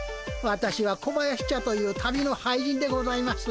私は小林茶という旅の俳人でございます。